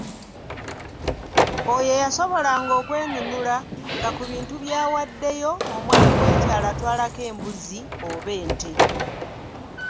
"Oyo eyasobolanga okwenunula nga ku bintu byawaddeyo, omwami w’ekyalo atwalako embuzi oba ente."